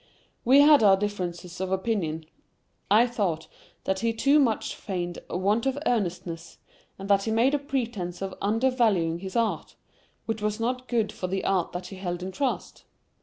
We had our differences of opinion. I thought that he too much feigned a want of earnestness, and that he made a pretence of under valuing his art, which was not good for the art that he held in trust.